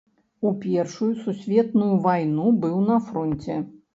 У першую сусветную вайну быў на фронце.